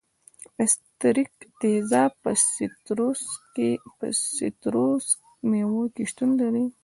د ستریک تیزاب په سیتروس میوو کې شتون لري.